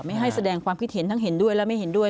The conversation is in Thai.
ไม่ให้แสดงความคิดเห็นทั้งเห็นด้วยและไม่เห็นด้วย